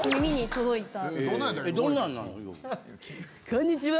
こんにちは